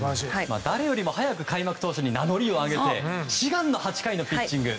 誰よりも早く開幕投手に名乗りを上げて志願の８回のピッチング。